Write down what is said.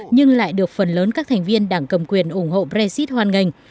nhưng lại được phần lớn các thành viên đảng cầm quyền ủng hộ brexit hoàn ngành